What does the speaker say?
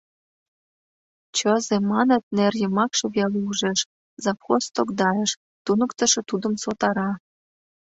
— Чызе, маныт, нер йымакше веле ужешЗавхоз тогдайыш: туныктышо тудым сотара.